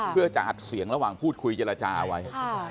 เพื่อจะอัดเสียงระหว่างพูดคุยเจรจาเอาไว้